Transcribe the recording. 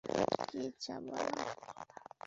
কী ইচ্ছা, বাবা?